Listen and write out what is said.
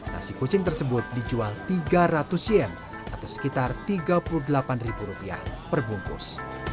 nasi kucing tersebut dijual tiga ratus yen atau sekitar tiga puluh delapan ribu rupiah perbungkus